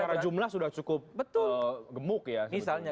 jadi secara jumlah sudah cukup gemuk ya